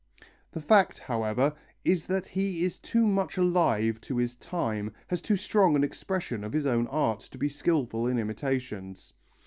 The fact, however, is that he is too much alive to his time, has too strong an expression of his own art to be skilful in imitations.